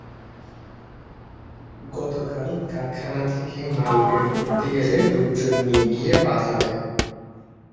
গতকাল কারখানা থেকে মাল বের করতে গেলে লোকজন নিয়ে গিয়ে বাধা দেয়।